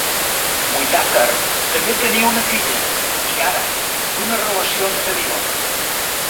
Whitaker també tenia una filla, Tiara, d'una relació anterior.